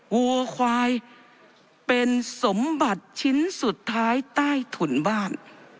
วัวควายเป็นสมบัติชิ้นสุดท้ายใต้ถุนบ้าน